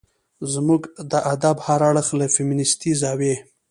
زموږ د ادب هر اړخ له فيمنستي زاويې